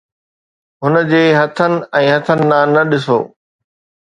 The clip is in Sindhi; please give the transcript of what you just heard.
هن جي هٿن ۽ هٿن ڏانهن نه ڏسو